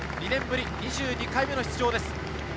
２年ぶり２２回目の出場です。